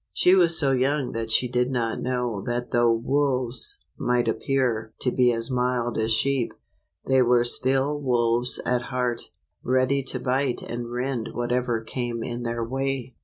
She was so young that she did not know that though wolves might appear to be as mild as sheep, they were still wolves at heart, ready to bite and rend whatever came in their way.